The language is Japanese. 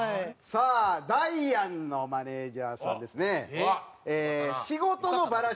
さあダイアンのマネージャーさんですね。